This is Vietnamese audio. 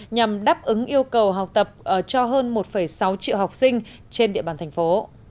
nhằm đáp ứng yêu cầu học tập cho hơn một sáu triệu học sinh trên địa bàn thành phố